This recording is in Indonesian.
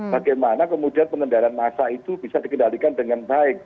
bagaimana kemudian pengendaraan masa itu bisa dikendalikan dengan baik